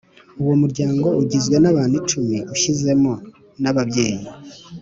Uwo muryango ugizwe nabantu icumi ushyizemo nababyeyi